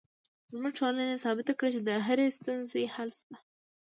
زموږ ټولنې ثابته کړې چې د هرې ستونزې حل شته